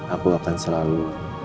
aku akan selalu